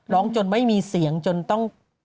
ร้องจนไม่มีเสียงจนต้อง